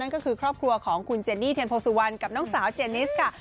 ก็คือครอบครัวของคุณเจนี่เทียนโพสุวรรณกับน้องสาวเจนิสค่ะ